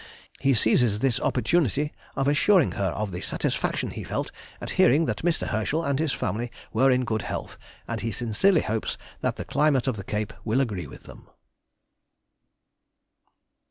He seizes this opportunity of assuring her of the satisfaction he felt at hearing that Mr. Herschel and his family were in good health, and he sincerely hopes that the climate of the Cape will agree with them.